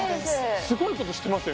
すごいことしてますよ